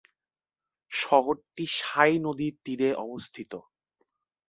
শহরটি "সাই" নদীর তীরে অবস্থিত।